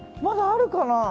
まだあるかな。